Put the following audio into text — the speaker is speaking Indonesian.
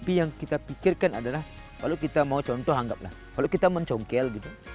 tapi yang kita pikirkan adalah kalau kita mau contoh anggaplah kalau kita mencongkel gitu